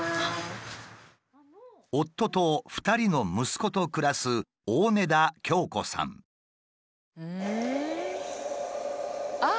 夫と２人の息子と暮らすああ！